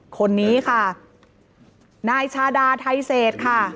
คนนี้ค่ะนายชาดาไทเศษค่ะ